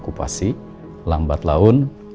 akupasi lambat laun